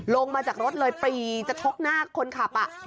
ลงมาจากรถเลยปรีจะชกหน้าคนขับ